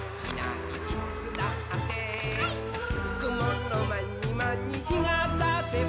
「くものまにまにひがさせば」